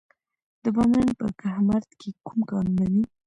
د بامیان په کهمرد کې کوم کانونه دي؟